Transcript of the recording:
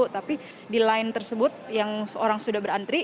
tapi di line tersebut yang orang sudah berantri